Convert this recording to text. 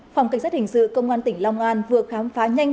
phòng cảnh sát hình sự công an tỉnh long an vừa khám phá nhanh